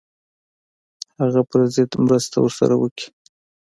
هغه پر ضد مرسته ورسره وکړي.